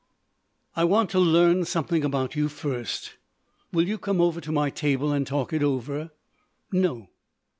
"I want to learn something about you first. Will you come over to my table and talk it over?" "No."